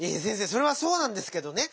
それはそうなんですけどね。